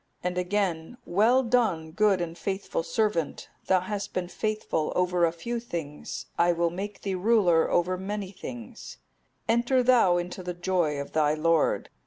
'(259) And again, 'Well done, good and faithful servant; thou hast been faithful over a few things, I will make thee ruler over many things; enter thou into the joy of thy Lord.